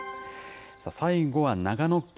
最後は長野県。